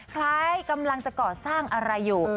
ประมาณจะก่อสร้างอะไรอยู่